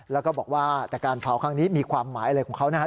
แล้วก็บอกว่าแต่การเผาครั้งนี้มีความหมายอะไรของเขานะครับ